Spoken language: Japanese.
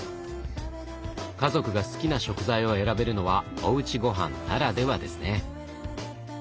家族が好きな食材を選べるのはおうちごはんならではですね。